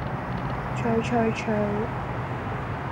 催催催